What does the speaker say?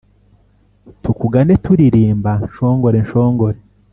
tukugane tulirimba nshongore, nshongore.